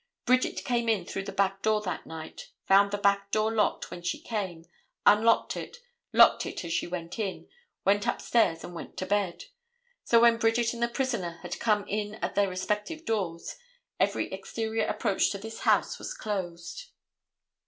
Bridget came in through the back door that night, found the back door locked when she came, unlocked it, locked it as she went in, went upstairs and went to bed. So, when Bridget and the prisoner had come in at their respective doors, every exterior approach to this house was closed.